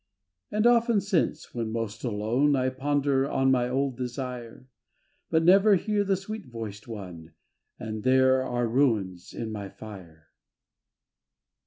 And often since, when most alone, I ponder on my old desire, But never hear the sweet voiced one, And there are ruins in my fire.